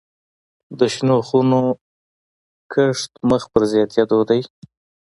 د شنو خونو کښت مخ په زیاتیدو دی